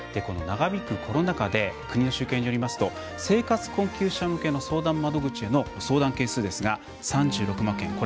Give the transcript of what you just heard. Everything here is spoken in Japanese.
長引くコロナ禍で国の集計によりますと生活困窮者向けの相談窓口への相談件数ですが、３６万件。